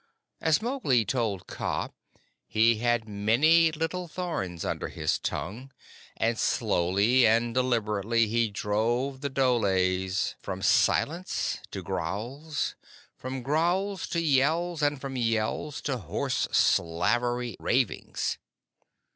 As Mowgli told Kaa, he had many little thorns under his tongue, and slowly and deliberately he drove the dholes from silence to growls, from growls to yells, and from yells to hoarse slavery ravings.